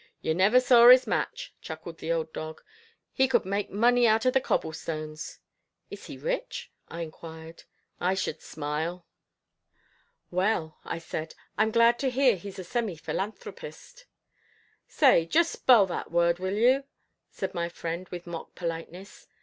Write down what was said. "You never saw his match," chuckled the old dog. "He could make money out of the cobble stones." "Is he rich?" I enquired. "I should smile." "Well," I said, "I'm glad to hear he's a semi philanthropist." "Say just spell that word, will you?" said my friend with mock politeness.